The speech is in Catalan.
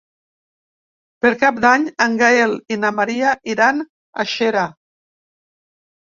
Per Cap d'Any en Gaël i na Maria iran a Xera.